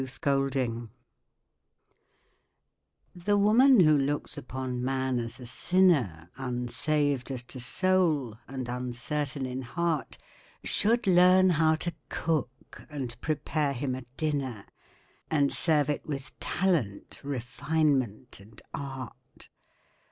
THE CUSINE The woman who looks upon man as a sinner Unsaved as to soul, and uncertain in heart, Should learn how to cook, and prepare him a dinner, And serve it with talent, refinement, and art.